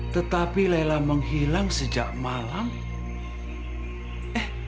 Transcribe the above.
tetapi laila menghilang sejauh ini